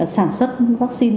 sản xuất vaccine